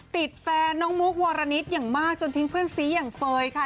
ติดแฟนน้องมุกวรณิตอย่างมากจนทิ้งเพื่อนซีอย่างเฟย์ค่ะ